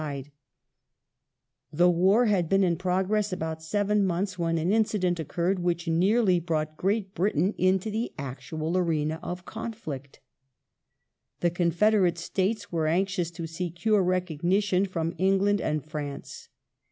The affair The war had been in progress about seven months when an of the incident occurred which nearly brought Great Britain into the actual arena of conflict. The Confederate States were anxious to secure recognition from England and France.